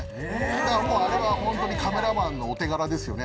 だからあれはホントにカメラマンのお手柄ですよね。